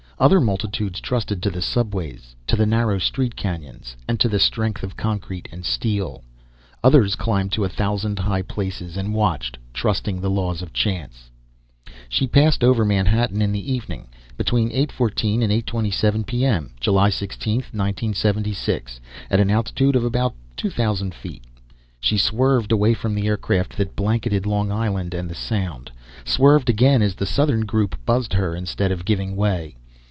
Other multitudes trusted to the subways, to the narrow street canyons and to the strength of concrete and steel. Others climbed to a thousand high places and watched, trusting the laws of chance. She passed over Manhattan in the evening between 8:14 and 8:27 P.M., July 16, 1976 at an altitude of about 2000 feet. She swerved away from the aircraft that blanketed Long Island and the Sound, swerved again as the southern group buzzed her instead of giving way.